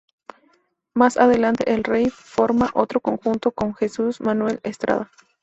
Más adelante, el Rey forma otro conjunto con Jesús Manuel Estrada.